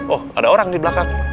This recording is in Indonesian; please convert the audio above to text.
oh ada orang di belakang